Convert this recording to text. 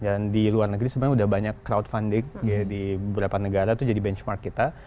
dan di luar negeri sebenarnya udah banyak crowdfunding di beberapa negara tuh jadi benchmark kita